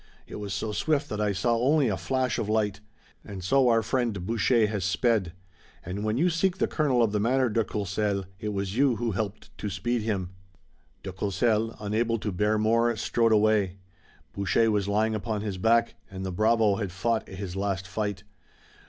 It was so swift that I saw only a flash of light! And so, our friend, Boucher, has sped! And when you seek the kernel of the matter, de Courcelles, it was you who helped to speed him!" De Courcelles, unable to bear more, strode away. Boucher was lying upon his back, and the bravo had fought his last fight.